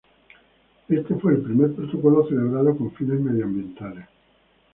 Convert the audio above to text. Este fue el primer protocolo celebrado con fines medioambientales.